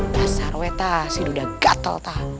dasar weh ta si duda gatel ta